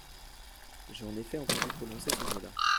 J'ai en effet entendu prononcer ce mot-là.